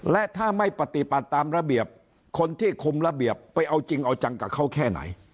และถ้าไม่ปฏิบัติตามระเบียบคนที่คุมระเบียบไปเอาจริงเอาจังกับเขาแค่ไหน